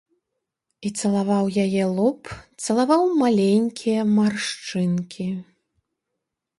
І цалаваў яе лоб, цалаваў маленькія маршчынкі.